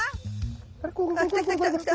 あっ来た来た来た来た。